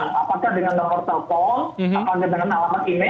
apakah dengan nomor telepon apakah dengan alamat email